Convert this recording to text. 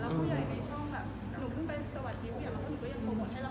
แล้วผู้ใหญ่ในช่องแบบหนูเพิ่งไปสวัสดีผู้ใหญ่แล้วหนูก็ยังโปรโมทให้ละครขึ้นตลอด